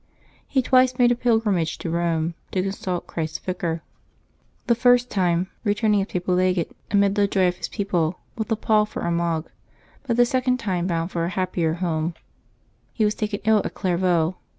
He twice made a pilgrimage to Eome, to consult Christ's Vicar, the first time returning as Papal 350 LIVES OF THE SAINTS [November 4 Legate, amid the joy of his people, with the pall for Armagh; but the second time bound for a happier home. He was taken ill at Clairvaux.